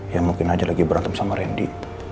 ya mungkin aja lagi berantem sama randy